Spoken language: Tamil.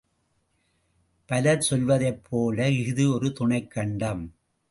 பலர் சொல்வதைப்போல இஃது ஒரு துணைக் கண்டம்.